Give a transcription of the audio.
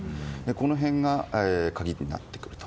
この辺が、鍵になってくると。